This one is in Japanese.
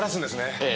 ええ。